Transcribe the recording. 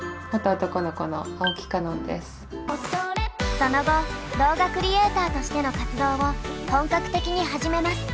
その後動画クリエーターとしての活動を本格的に始めます。